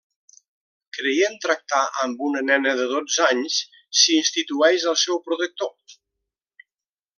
Creient tractar amb una nena de dotze anys, s'institueix el seu protector.